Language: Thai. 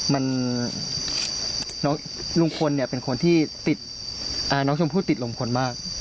มันน้องลุงพลเนี้ยเป็นคนที่ติดอ่าน้องสมภู่ติดลงคนมาก